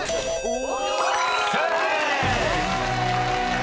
お！